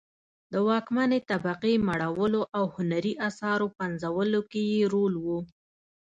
د واکمنې طبقې مړولو او هنري اثارو پنځولو کې یې رول و